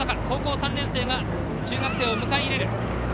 高校３年生が中学生を迎え入れる。